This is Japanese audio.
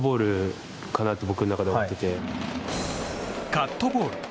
カットボール。